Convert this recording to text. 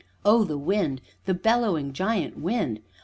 Oh, the wind! the bellowing, giant wind!